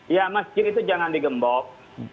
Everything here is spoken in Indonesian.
ya masjid itu jangan digembok